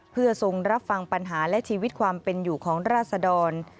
เพื่อทรงรับฟังปัญหาและชีวิตความเป็นอยู่ของราศดร